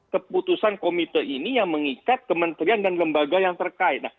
keputusan komite ini yang mengikat kementerian dan lembaga yang terkait